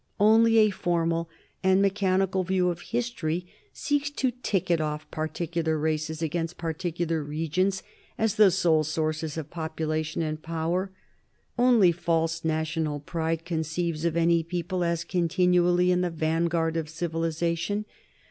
Only a formal and mechanical view of history seeks to ticket off particular races against particular regions as the sole sources of population and power; only false national pride conceives of any people as continually in the vanguard of civilization.